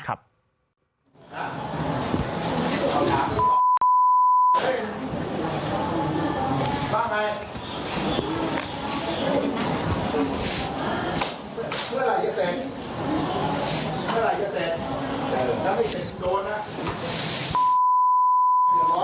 ฮ่า